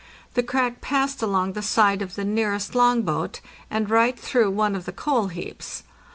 The crack passed along the side of the nearest long boat, and right through one of the coal heaps.